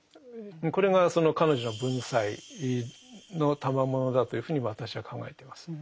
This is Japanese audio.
これがその彼女の文才の賜物だというふうに私は考えてます。